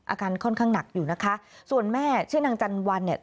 อาการค่อนข้างหนักอยู่นะคะส่วนแม่ชื่อนางจันวันเนี่ย